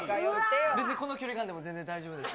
別にこの距離感でも別に大丈夫です。